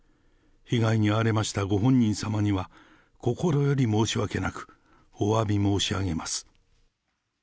被害に遭われましたご本人様には、心より申し訳なく、おわび申し上げます。